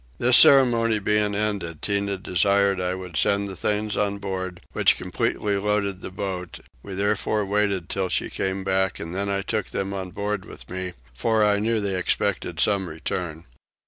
This ceremony being ended Tinah desired I would send the things on board, which completely loaded the boat; we therefore waited till she came back and then I took them on board with me; for I knew they expected some return.